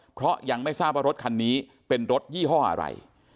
เพราะยังไม่ทราบว่ารถคันนี้เป็นรถยี่ห้ออะไร